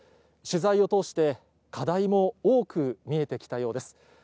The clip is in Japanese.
取材を通して、課題も多く見えてきたようです。